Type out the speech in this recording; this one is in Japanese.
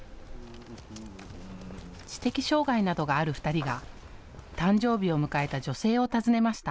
知的障害などがある２人が誕生日を迎えた女性を訪ねました。